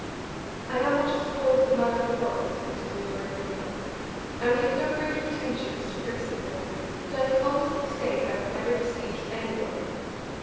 "I am what is called a man of the world," continued Lord Vivianne. "I make no great pretensions to principle, but I can honestly say I have never deceived any one.